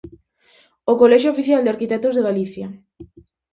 O Colexio Oficial de Arquitectos de Galicia.